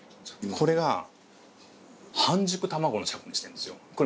これが半熟卵のしゃこにしてるんですよ。